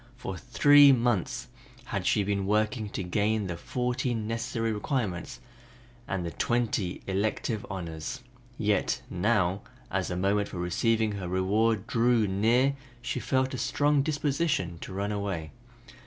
For three months had she been working to gain the fourteen necessary requirements and the twenty elective honors, yet now as the moment for receiving her reward drew near she felt a strong disposition to run away.